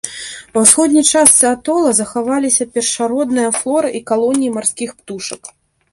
Ва ўсходняй частцы атола захаваліся першародная флора і калоніі марскіх птушак.